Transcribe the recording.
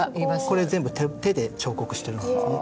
これ全部手で彫刻してるんですね。